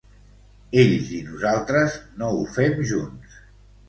Ells i nosaltres no ho fem junts.